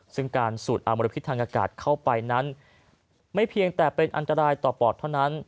ซึ่งการสูดอมลพิษทางอากาศเข้าไปนั้นไม่เพียงแต่เป็นอันตรายต่อปอดเท่านั้น